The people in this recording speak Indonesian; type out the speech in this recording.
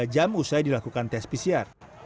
dua jam usai dilakukan tes pcr